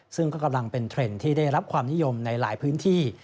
ซึ่งก็กำลังเป็นเทรนด์ที่ได้รับความนิยมในหลายพื้นที่